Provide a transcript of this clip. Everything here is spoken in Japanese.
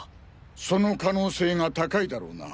その可能性が高いだろうな。